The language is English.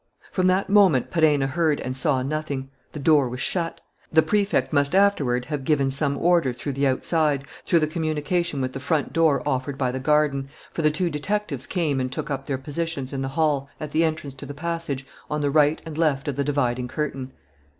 From that moment Perenna heard and saw nothing. The door was shut. The Prefect must afterward have given some order through the outside, through the communication with the front door offered by the garden, for the two detectives came and took up their positions in the hall, at the entrance to the passage, on the right and left of the dividing curtain.